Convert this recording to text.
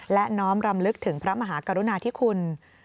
และน้อมรำลึกถึงพระมหากรุณาธิคุณ